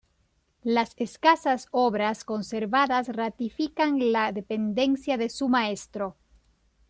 Las escasas obras conservadas ratifican la dependencia de su maestro.